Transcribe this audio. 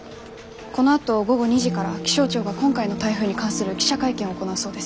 このあと午後２時から気象庁が今回の台風に関する記者会見を行うそうです。